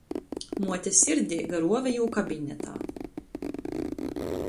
Muote sirdeiga ruove jū kabinetā.